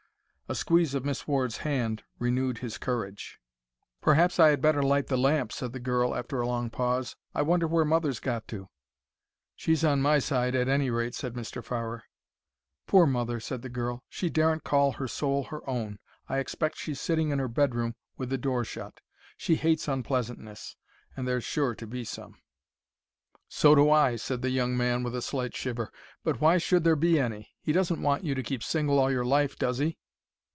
A squeeze of Miss Ward's hand renewed his courage. "Perhaps I had better light the lamp," said the girl, after a long pause. "I wonder where mother's got to?" "She's on my side, at any rate," said Mr. Farrer. "Poor mother!" said the girl. "She daren't call her soul her own. I expect she's sitting in her bedroom with the door shut. She hates unpleasantness. And there's sure to be some." "So do I," said the young man, with a slight shiver. "But why should there be any? He doesn't want you to keep single all your life, does he?"